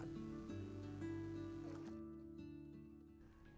untuk memberikan kenyamanan kepada wisatawan